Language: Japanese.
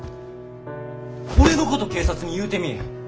俺のこと警察に言うてみい。